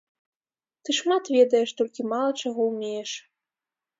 Ты шмат ведаеш, толькі мала чаго ўмееш.